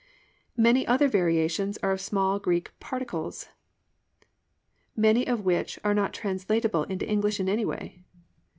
Many other variations are of small Greek particles, many of which are not translatable into English any way.